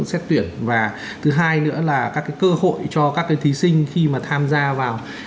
xét tuyển và thứ hai nữa là các cơ hội cho các thí sinh khi mà tham gia vào